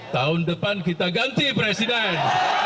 tahun depan kita ganti presiden